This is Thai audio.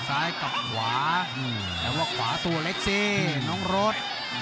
ซ้ายกับขวาแต่ว่าขวาตัวเล็กสิน้องรถ